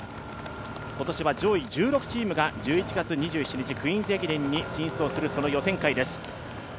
今年は上位１６チームが１１月２７日のクイーンズ駅伝に進出をする予選会です。